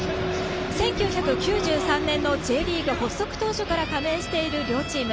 １９９３年のＪリーグ発足当初から加盟している両チーム。